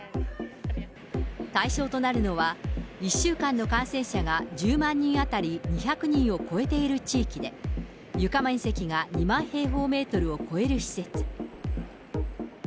対象となるのは、１週間の感染者が１０万人当たり２００人を超えている地域で、床面積が２万平方メートルを超える施設。